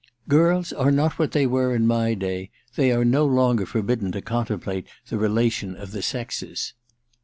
* Girls are not what they were in my day ; they are no longer forbidden to contemplate the relation of the sexes.